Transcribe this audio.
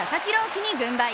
希に軍配。